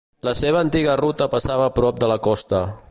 La seva antiga ruta passava prop de la costa.